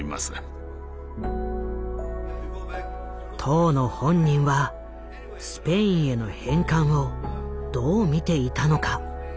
当の本人はスペインへの返還をどう見ていたのか。